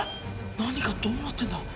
何がどうなってんだ。